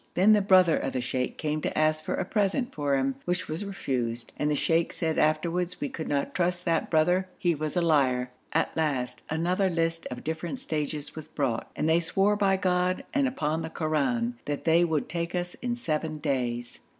Then the brother of the sheikh came to ask for a present for him, which was refused, and the sheikh said afterwards we could not trust that brother, he was a liar. At last another list of different stages was brought, and they swore by God and upon the Koran that they would take us in seven days.